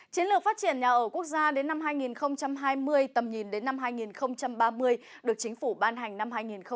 chiến lược phát triển nhà ở quốc gia đến năm hai nghìn hai mươi tầm nhìn đến năm hai nghìn ba mươi được chính phủ ban hành năm hai nghìn một mươi năm